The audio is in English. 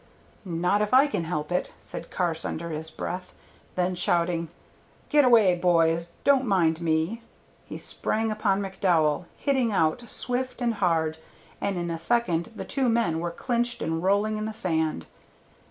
"Not if I can help it," said Carse, under his breath. Then shouting, "Get away, boys; don't mind me," he sprang upon McDowell, hitting out swift and hard, and in a second the two men were clinched and rolling in the sand.